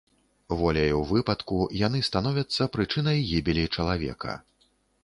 Воляю выпадку яны становяцца прычынай гібелі чалавека.